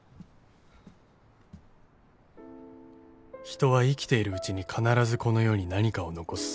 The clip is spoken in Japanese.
［人は生きているうちに必ずこの世に何かを残す］